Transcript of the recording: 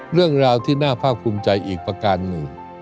เรื่องราวที่น่าภาคภูมิใจอีกประการหนึ่ง